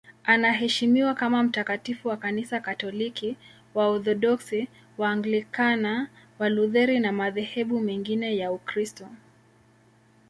Anaheshimiwa kama mtakatifu na Kanisa Katoliki, Waorthodoksi, Waanglikana, Walutheri na madhehebu mengine ya Ukristo.